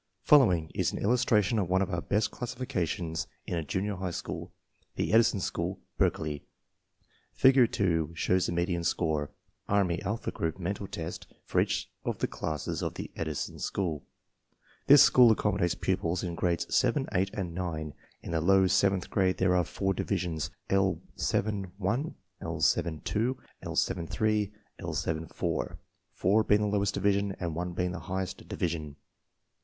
Following is an illustration of one of our best classifications in a junior high school (the Edison School, Berkeley). Figure 2 shows the median score — Army Alpha Group Mental Test — for each of the classes of the Edison School. This school accommodates pupils in Grades 7, 8, and 9. In the low seventh grade there are four divisions: L 7 one, L 7 two, L 7 three, L 7 four, four being the lowest division and one being the highest division.